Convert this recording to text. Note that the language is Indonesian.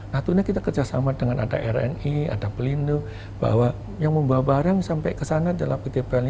natuna kita kerjasama dengan ada rni ada pelindo bahwa yang membawa barang sampai ke sana adalah pt peli